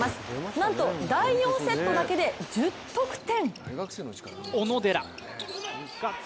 なんと第４セットだけで１０得点。